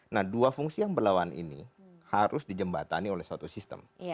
nah dua fungsi yang berlawan ini harus dijembatani oleh suatu sistem